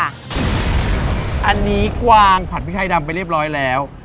อันนี้กวางผัดพริกไทยดำไปเรียบร้อยแล้ว